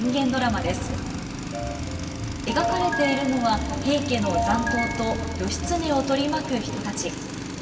描かれているのは平家の残党と義経を取り巻く人たち。